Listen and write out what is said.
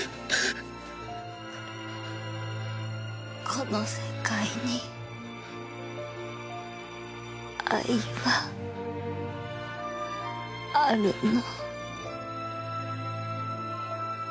この世界に愛はあるの？